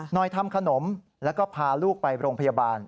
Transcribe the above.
หน่อยทำขนมแล้วก็พาลูกไปโรงพยาบาล